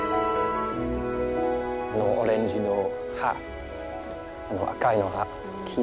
あのオレンジの葉赤いの葉黄の葉。